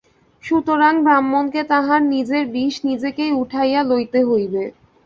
সুতরাং ব্রাহ্মণকে তাঁহার নিজের বিষ নিজেকেই উঠাইয়া লইতে হইবে।